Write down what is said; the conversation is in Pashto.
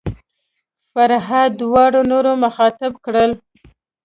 فرهاد داوري نور مخاطب کړل.